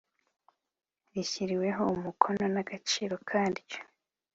rishyiriweho umukono n Agaciro ka ryo